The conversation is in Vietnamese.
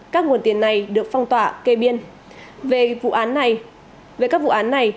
các nguồn tiền này được phong tỏa kê biên về vụ án này